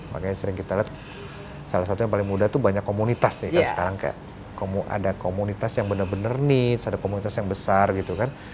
makanya sering kita lihat salah satu yang paling muda tuh banyak komunitas nih kan sekarang kayak ada komunitas yang benar benar needs ada komunitas yang besar gitu kan